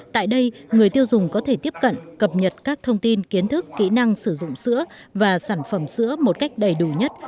tại đây người tiêu dùng có thể tiếp cận cập nhật các thông tin kiến thức kỹ năng sử dụng sữa và sản phẩm sữa một cách đầy đủ nhất